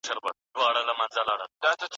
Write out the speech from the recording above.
پوهه د ژوند يوازينۍ رڼا ده.